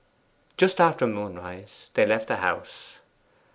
Just after moonrise they left the house.